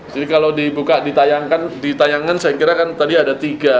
jadi kalau ditayangkan saya kira kan tadi ada tiga